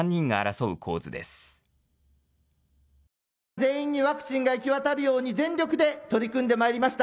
全員にワクチンが行き渡るように全力で取り組んでまいりました。